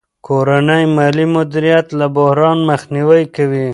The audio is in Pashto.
کورنی مالي مدیریت له بحران مخنیوی کوي.